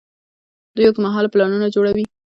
دوی اوږدمهاله پلانونه جوړوي.